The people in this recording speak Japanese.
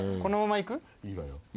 いいわよ。